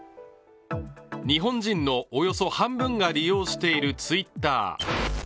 日本人のおよそ半分が利用しているツイッター。